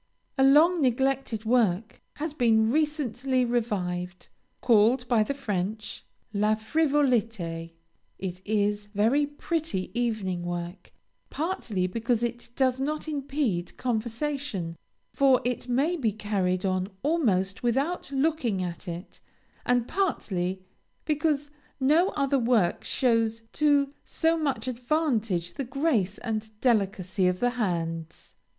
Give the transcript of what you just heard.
A long neglected work has been recently revived, called by the French "La Frivolité." It is very pretty evening work, partly because it does not impede conversation, for it may be carried on almost without looking at it, and partly because no other work shows to so much advantage the grace and delicacy of the hands.